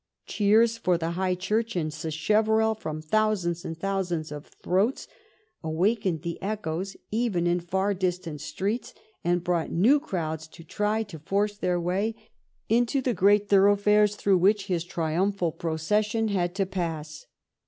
Cheers for the High Church and Sacheverell, from thousands and thousands of throats, awakened the echoes even in far distant streets and brought new crowds to try to force their way into the great thor 298 SACHEVERELL oughf ares through which his triumphal procession had to pass.